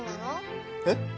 えっ？